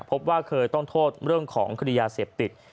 พบว่าเคยต้องโทษเรื่องของคดียาเสพติด